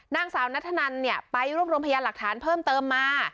นางสาวนัทธนันเนี่ยไปรวบรวมพยานหลักฐานเพิ่มเติมมา